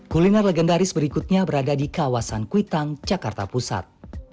kuliner legendaris berikutnya berada di kawasan kuitang jakarta pusat